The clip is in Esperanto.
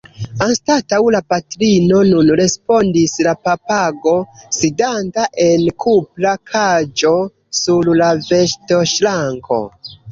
Anstataŭ la patrino, nun respondis la papago, sidanta en kupra kaĝo sur la vestoŝranko.